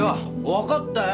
分かったよ！